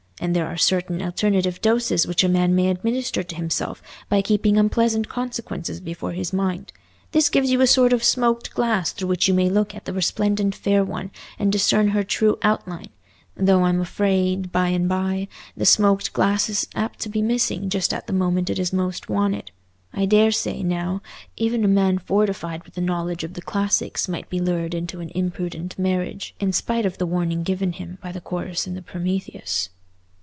And there are certain alternative doses which a man may administer to himself by keeping unpleasant consequences before his mind: this gives you a sort of smoked glass through which you may look at the resplendent fair one and discern her true outline; though I'm afraid, by the by, the smoked glass is apt to be missing just at the moment it is most wanted. I daresay, now, even a man fortified with a knowledge of the classics might be lured into an imprudent marriage, in spite of the warning given him by the chorus in the Prometheus."